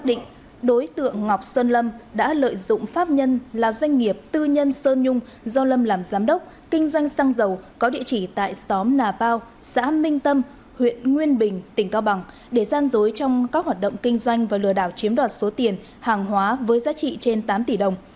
xác định đối tượng ngọc xuân lâm đã lợi dụng pháp nhân là doanh nghiệp tư nhân sơn nhung do lâm làm giám đốc kinh doanh xăng dầu có địa chỉ tại xóm nà pao xã minh tâm huyện nguyên bình tỉnh cao bằng để gian dối trong các hoạt động kinh doanh và lừa đảo chiếm đoạt số tiền hàng hóa với giá trị trên tám tỷ đồng